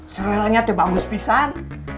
serealnya tebangus pisan